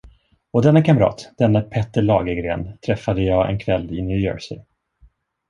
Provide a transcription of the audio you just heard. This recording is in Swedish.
Och denne kamrat, denne Petter Lagergren, träffade jag en kväll i New Jersey!